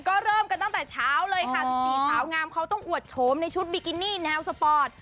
ก็เริ่มกันตั้งแต่เช้าเลยค่ะ๑๔สาวงามเขาต้องอวดโฉมในชุดบิกินี่แนวสปอร์ต